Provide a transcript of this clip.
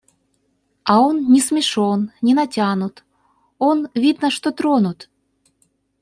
А он не смешон, не натянут, он видно, что тронут.